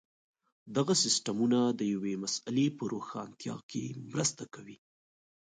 دغه سیسټمونه د یوې مسئلې په روښانتیا کې مرسته کوي.